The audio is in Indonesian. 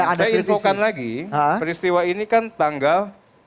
saya infokan lagi peristiwa ini kan tanggal